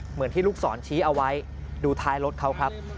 เหมือนที่ลูกศรชี้เอาไว้ดูท้ายรถเขาครับ